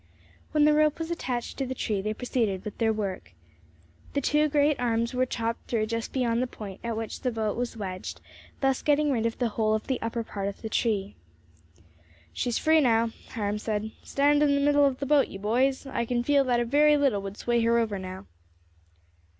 When the rope was attached to the tree, they proceeded with their work. The two great arms were chopped through just beyond the point at which the boat was wedged, thus getting rid of the whole of the upper part of the tree. "She's free now," Hiram said. "Stand in the middle of the boat, you boys; I can feel that a very little would sway her over now."